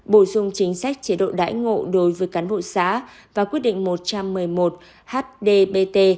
bổ sung chính sách chế độ đãi ngộ đối với cán bộ xã và quyết định một trăm một mươi một hdbt